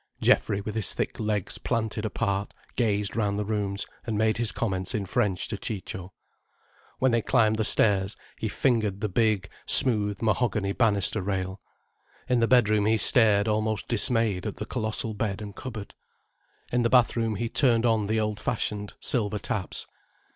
Geoffrey, with his thick legs planted apart, gazed round the rooms, and made his comments in French to Ciccio. When they climbed the stairs, he fingered the big, smooth mahogany bannister rail. In the bedroom he stared almost dismayed at the colossal bed and cupboard. In the bath room he turned on the old fashioned, silver taps.